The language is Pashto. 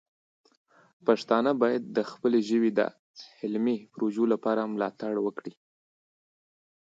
پښتانه باید د خپلې ژبې د علمي پروژو لپاره مالتړ وکړي.